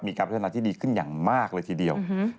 พัฒนาที่ดีขึ้นอย่างมากเลยทีเดียว